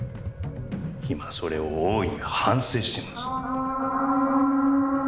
今それを大いに反省しています。